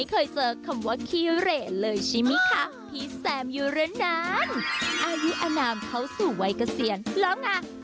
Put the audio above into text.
เขาสูงวัยเกษียณแล้วไง